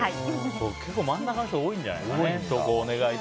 結構、真ん中の人多いんじゃないかな？